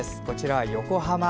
こちら横浜。